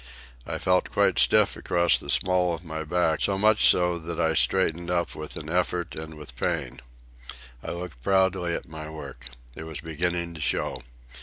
I felt quite stiff across the small of the back, so much so that I straightened up with an effort and with pain. I looked proudly at my work. It was beginning to show.